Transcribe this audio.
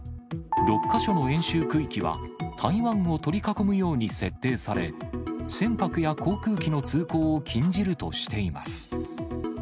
６か所の演習区域は、台湾を取り囲むように設定され、船舶や航空機の通行を禁じるとしています。